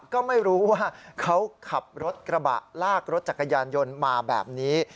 ก็ไม่รู้ว่าเขาขับรถกระบะลากรถจักรยานยนต์มาแบบนี้